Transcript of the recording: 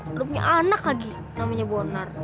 belum punya anak lagi namanya bonar